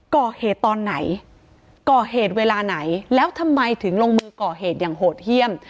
ก่อเหตุตอนไหนก่อเหตุเวลาไหนแล้วทำไมถึงลงมือก่อเหตุอย่างโหดเยี่ยม